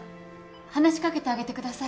話しかけてあげてください。